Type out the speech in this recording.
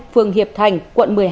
phường hiệp thành quận một mươi hai